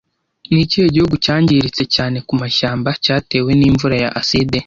Ni ikihe gihugu cyangiritse cyane ku mashyamba cyatewe n'imvura ya aside